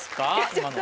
今の。